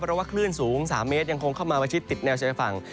เพราะว่าคลื่นสูง๓เมตรยังคงเข้ามาประชิดติดแนวชายฝั่ง